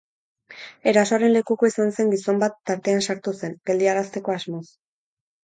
Erasoaren lekuko izan zen gizon bat tartean sartu zen, geldiarazteko asmoz.